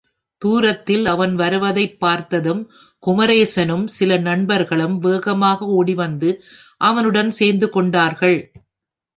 தூரத்தில் அவன் வருவதைப் பார்த்ததும், குமரேசனும், சில நண்பர்களும் வேகமாக ஓடி வந்து அவனுடன் சேர்ந்து கொண்டார்கள்.